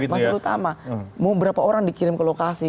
masalah utama mau berapa orang dikirim ke lokasi